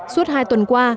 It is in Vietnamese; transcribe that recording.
suốt hai tuần qua